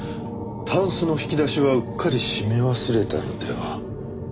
たんすの引き出しはうっかり閉め忘れたのでは？